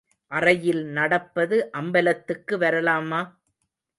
அறையில் நடப்பது அம்பலத்துக்கு வரலாமா?